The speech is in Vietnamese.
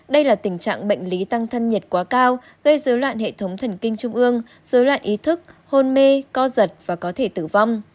đây là tình trạng bệnh lý tăng thân nhiệt quá cao gây dối loạn hệ thống thần kinh trung ương dối loạn ý thức hôn mê co giật và có thể tử vong